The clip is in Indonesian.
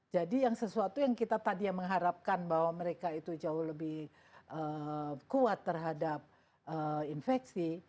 jadi yang sesuatu yang kita tadi yang mengharapkan bahwa mereka itu jauh lebih kuat terhadap infeksi